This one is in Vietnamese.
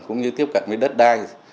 cũng như tiếp cận với đất đai